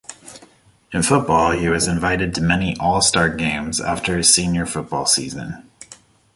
In football, he was invited to many all-star games after his senior football season.